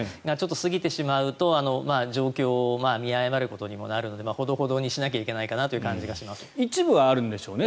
過ぎてしまうと状況を見誤ることにもなるのでほどほどにしないといけないかなという感じはします。